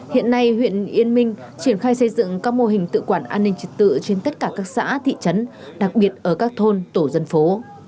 hiện nay huyện yên minh triển khai xây dựng các mô hình tự quản an ninh trật tự trên tất cả các xã thị trấn đặc biệt ở các thôn tổ dân phố